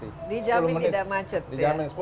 dijamin tidak macet ya